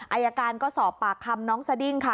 อายการก็สอบปากคำน้องสดิ้งค่ะ